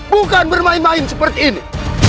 bukan bermain main seperti ini